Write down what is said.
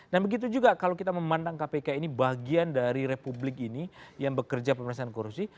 dan begitu juga kalau kita memandang kpk ini bagian dari republik ini yang bekerja pemerintahan korupsi